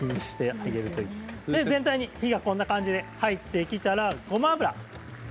全体に火がこんな感じで入ってきたら、ごま油。